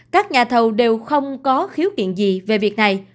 các nhà thầu đều không có khiếu kiện gì về việc này